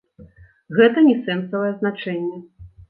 Гэта не сэнсавае значэнне.